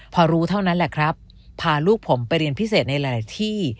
พอรู้เท่านั้นแหละครับพาลูกผมไปเรียนพิเศษในหลายที่